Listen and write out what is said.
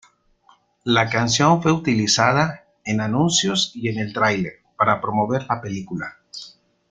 La canción fue utilizada en anuncios y en el tráiler para promover la película.